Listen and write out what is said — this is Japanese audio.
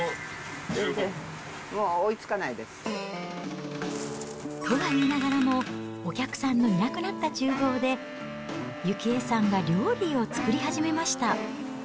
もう追いつかないです。とは言いながらも、お客さんのいなくなったちゅう房で、由紀江さんが料理を作り始めました。